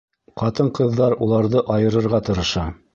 Ҡатын-ҡыҙҙар уларҙы айырырға тырыша.